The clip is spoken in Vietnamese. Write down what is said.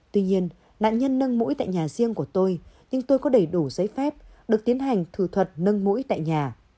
tuy nhiên nạn nhân nâng mũi tại nhà riêng của tôi nhưng tôi có đầy đủ giấy phép được tiến hành thử thuật nâng mũi tại nhà